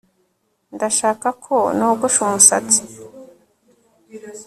Ndashaka ko nogosha umusatsi